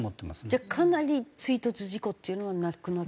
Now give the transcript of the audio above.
じゃあかなり追突事故っていうのはなくなって。